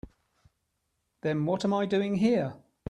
Then what am I doing here?